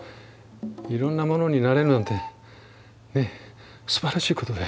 いろんなものになれるなんてねっすばらしいことだよ。